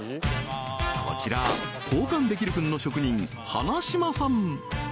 こちら交換できるくんの職人花嶋さん